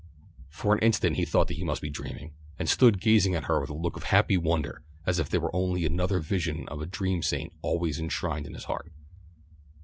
For an instant he thought he must be dreaming, and stood gazing at her with a look of happy wonder as if this were only another vision of the dream saint always enshrined in his heart.